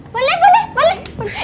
boleh boleh boleh